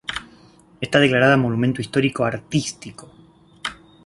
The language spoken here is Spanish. Está declarada Monumento Histórico Artístico.